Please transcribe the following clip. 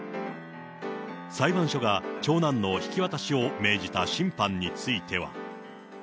裁判所が長男の引き渡しを命じた審判については。